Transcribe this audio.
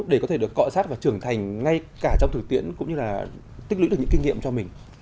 để có thể được cọ sát và trưởng thành ngay cả trong thực tiễn cũng như là tích lũy được những kinh nghiệm cho mình